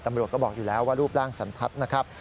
ตำรวจก็บอกอยู่แล้วว่ารูปร่างสันทัศน์นะครับ